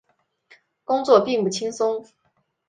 工作并不轻松